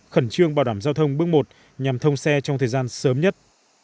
khẩn trương bảo đảm giao thông bước một nhằm thông xe trong thời gian sớm nhất